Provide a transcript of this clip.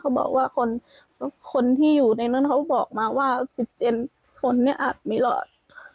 เขาก็บอกว่าให้ทำใจนะเขาบอกว่าคนที่อยู่ในนั้นเขาบอกมาว่าสิทธิ์เจนคนอาจไม่รอด